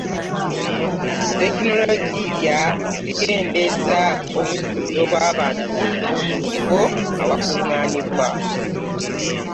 tekinologiya akendeeza omujjuzo gw'abantu mu bifo awakolerwa.